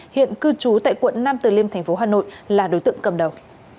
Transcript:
hiện cư trú tại quận nam từ liêm thành phố hà nội là đối tượng cầm đầu